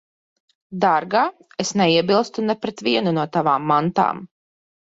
Dārgā, es neiebilstu ne pret vienu no tavām mantām.